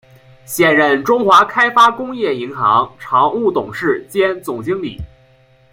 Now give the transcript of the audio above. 现任中华开发工业银行常务董事兼总经理。